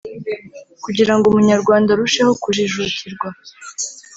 kugira ngo umunyarwanda arusheho kujijukirwa,